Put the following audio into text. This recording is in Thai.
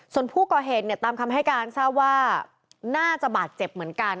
ส่วนผู้ก่อเหตุเนี่ยตามคำให้การทราบว่าน่าจะบาดเจ็บเหมือนกัน